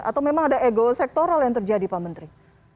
atau memang ada ego sektoral yang terjadi pak menteri